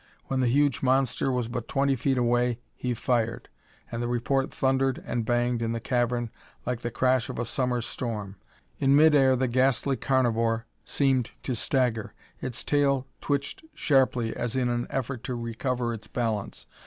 When the huge monster was but twenty feet away he fired, and the report thundered and banged in the cavern like the crash of a summer storm. In mid air the ghastly carnivore teemed to stagger. Its tail twitched sharply as in an effort to recover its balance.